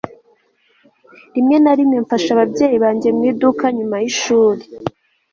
rimwe na rimwe mfasha ababyeyi banjye mu iduka nyuma yishuri